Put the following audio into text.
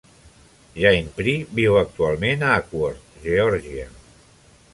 Ginepri viu actualment a Acworth, Georgia.